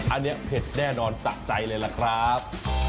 อันนี้เผ็ดแน่นอนสะใจเลยล่ะครับ